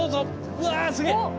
うわすげえ！